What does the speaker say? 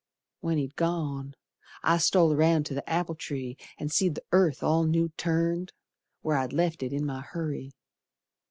When he'd gone, I stole roun' to the apple tree And seed the earth all new turned Where I left it in my hurry.